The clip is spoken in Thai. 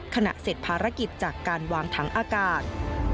เสร็จภารกิจจากการวางถังอากาศ